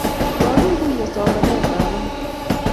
Maguiguiye somanetab amut